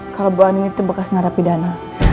kalau bu ani itu bekas narapidana